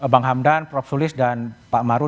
bang hamdan prof sulis dan pak maru